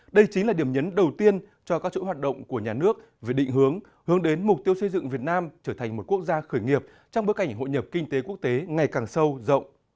đây chính là điểm nhấn đầu tiên cho các chủ hoạt động của nhà nước về định hướng hướng đến mục tiêu xây dựng việt nam trở thành một quốc gia khởi nghiệp trong bức ảnh hội nhập kinh tế quốc tế ngày càng sâu rộng